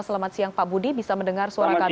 selamat siang pak budi bisa mendengar suara kami